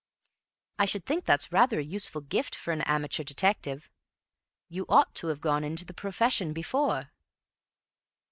"I should think that's rather a useful gift for an amateur detective. You ought to have gone into the profession before."